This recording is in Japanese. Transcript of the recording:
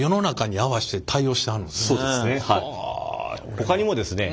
ほかにもですね